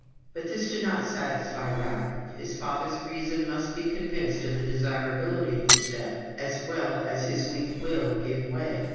But this did not satisfy Ralph; his father's reason must be convinced of the desirability of the step, as well as his weak will give way.